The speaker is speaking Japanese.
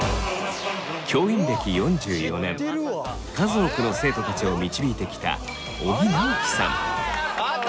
教員歴４４年数多くの生徒たちを導いてきた尾木直樹さん。